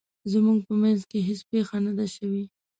زموږ په مینځ کې هیڅ پیښه نه ده شوې